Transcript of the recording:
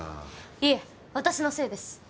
いえ私のせいです。